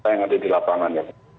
yang ada di lapangan